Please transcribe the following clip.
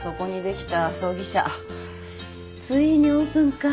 ついにオープンか。